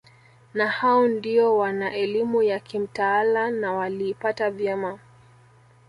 Na hao ndio wana elimu ya kimtaala na waliipata vyema